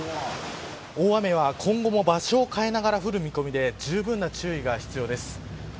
大雨は、今後も場所を変えながら降る見込みでじゅうぶんな注意が必要です。